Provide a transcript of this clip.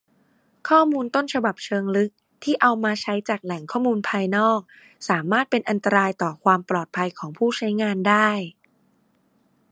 ข้อมูลต้นฉบับเชิงลึกที่เอามาใช้จากแหล่งข้อมูลภายนอก สามารถเป็นอันตรายต่อความปลอดภัยของผู้ใช้งานได้